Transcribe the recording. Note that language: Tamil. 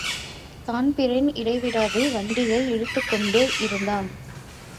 தான்பிரீன் இடைவிடாது வண்டியை இழுத்துக்கொண்டே யிருந்தான்.